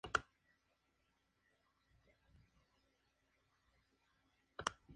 Contaba con tiendas en Lima, Arequipa, Trujillo, Chiclayo, Cusco, Piura, Sullana y Talara.